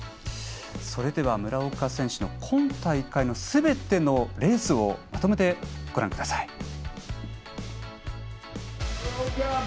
それでは、村岡選手の今大会のすべてのレースをまとめてご覧ください。